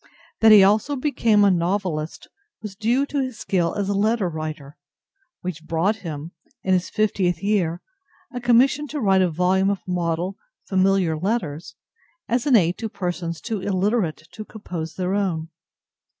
That he also became a novelist was due to his skill as a letter writer, which brought him, in his fiftieth year, a commission to write a volume of model "familiar letters" as an aid to persons too illiterate to compose their own.